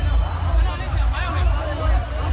มันอาจจะไม่เอาเห็น